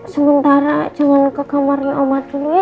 sementara jangan kekamarnya oma dulu ya